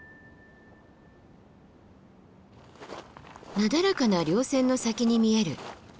なだらかな稜線の先に見える双六岳。